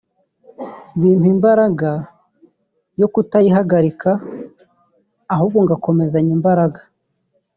bimpa imbaraga yo kutayihagarika ahubwo ngakomezanya imbaraga